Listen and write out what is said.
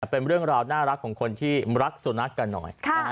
เป็นเรื่องราวน่ารักของคนที่รักสุนัขกันหน่อย